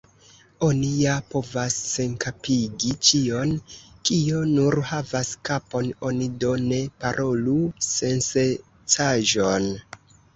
Oni ja povas senkapigi ĉion, kio nur havas kapon; oni do ne parolu sensencaĵon.